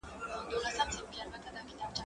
زه اوس انځور ګورم،